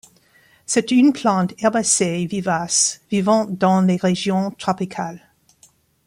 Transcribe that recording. C'est une plante herbacée vivace vivant dans les régions tropicales.